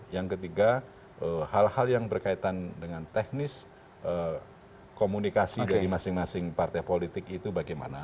yang ketiga hal hal yang berkaitan dengan teknis komunikasi dari masing masing partai politik itu bagaimana